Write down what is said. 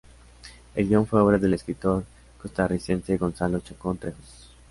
El guion fue obra del escritor costarricense Gonzalo Chacón Trejos.